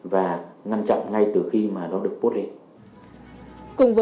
và ngăn chặn ngay từ khi mà nó được post lên